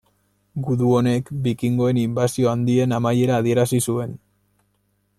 Gudu honek bikingoen inbasio handien amaiera adierazi zuen.